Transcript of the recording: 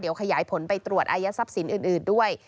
เดี๋ยวขยายผลไปตรวจอายัดทรัพย์สินอื่นด้วย